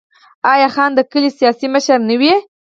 آیا خان د کلي سیاسي مشر نه وي؟